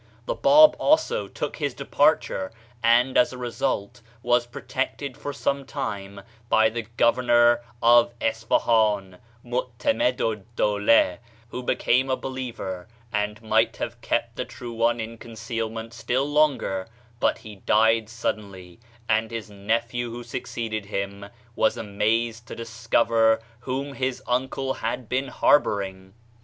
The Bab also took his departure, and as a result was protected for some time by the governor of Isfahan, Meu'temed ed Dowleh, who be came a believer, and might have kept the True One in concealment still longer, but he died suddenly, and his nephew who succeeded him was amazed to discover w^hom his uncle had been harboring.